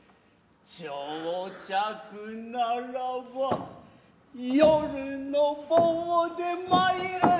打擲ならば夜の棒で参るぞ。